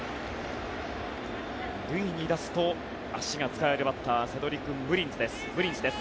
塁に出すと足が使えるバッタームリンスです。